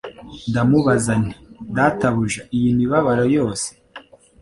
Ndamubaza nti Databuja iyi mibabaro yose